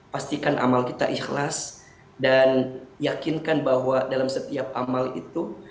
pastikan amal kita ikhlas dan yakinkan bahwa dalam setiap amal itu